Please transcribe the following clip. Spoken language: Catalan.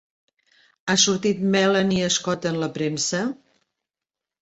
Ha sortit Melanie Scott en la premsa?